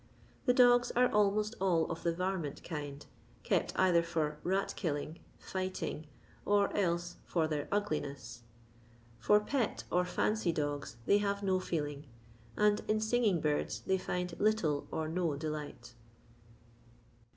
The dogs are almost all of the "varmint" kind, kept either for rat killing, fighting, or else for their ugliness. For " pet " or " fancy " dogs they have no feeling, and in singing birds they find little or no delight.